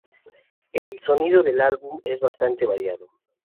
El sonido del álbum es bastante variado.